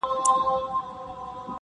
لښکر د سورلنډیو به تر ګوره پوري تښتي-